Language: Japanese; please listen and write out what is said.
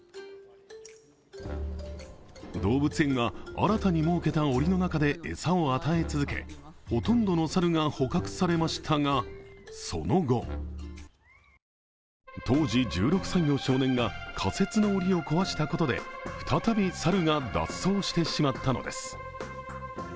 動物園は新たに設けたおりの中で餌を与え続け、ほとんどの猿が捕獲されましたが、その後、当時１６歳の少年が仮設のおりを壊したことで再び猿が脱走してしまったのです。